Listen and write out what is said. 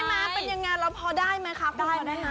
ใช่มั้ยเป็นยังไงแล้วพอได้ไหมคะคุณพอได้ฮะ